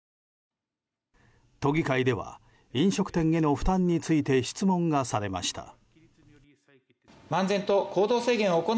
都議会では飲食店への負担について質問がされました。